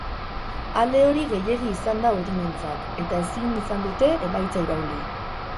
Alde hori gehiegi izan da urdinentzat, eta ezin izan dute emaitza irauli.